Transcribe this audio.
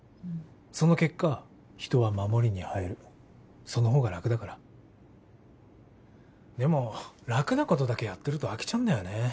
その結果人は守りに入るその方が楽だからでも楽なことだけやってると飽きちゃうんだよね